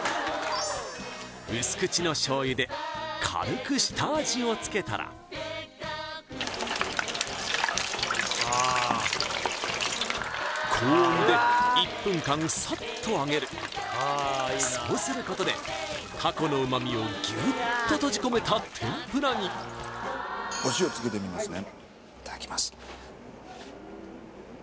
薄口の醤油で軽く下味をつけたら高温で１分間サッと揚げるそうすることでタコの旨みをギュッと閉じ込めた天ぷらにお塩つけてみますね